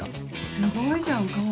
すごいじゃん川合。